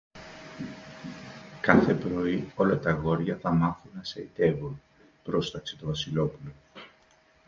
Κάθε πρωί όλα τ' αγόρια θα μαθαίνουν να σαϊτεύουν, πρόσταξε το Βασιλόπουλο.